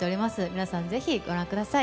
皆さん、ぜひお楽しみください。